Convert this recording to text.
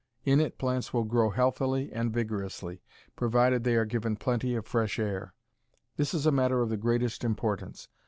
In it plants will grow healthily and vigorously, provided they are given plenty of fresh air. This is a matter of the greatest importance.